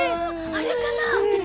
あれかなあ？